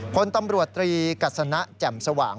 พลตำรวจตรีกัศนะแจ่มสว่าง